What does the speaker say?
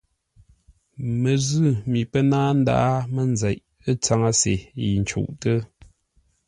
Məzʉ̂ mi pə́ náa ndáa mənzeʼ, ə̂ tsáŋə́se yi ncûʼtə́.